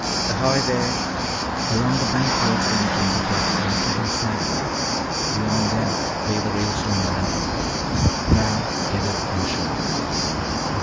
"Ahoy there!" Along the bank toward them came Rupert and after him Sam. Beyond them lay the Ralestone landing. Val headed inshore.